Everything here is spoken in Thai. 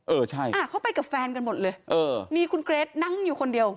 เออใช่อ่าเขาไปกับแฟนกันหมดเลยเออมีคุณเกรทนั่งอยู่คนเดียว